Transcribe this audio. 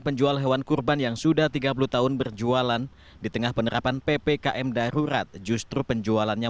penjual hewan kurban yang sudah tiga puluh tahun berjualan di tengah penerapan ppkm darurat justru penjualannya